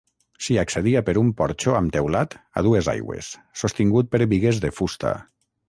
S'hi accedia per un porxo amb teulat a dues aigües, sostingut per bigues de fusta.